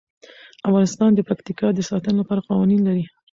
افغانستان د پکتیکا د ساتنې لپاره قوانین لري.